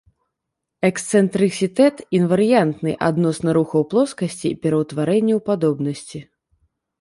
Эксцэнтрысітэт інварыянтны адносна рухаў плоскасці і пераўтварэнняў падобнасці.